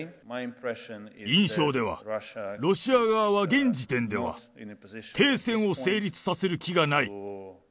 印象では、ロシア側は現時点では停戦を成立させる気がない。